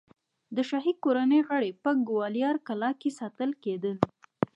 د شاهي کورنۍ غړي په ګوالیار کلا کې ساتل کېدل.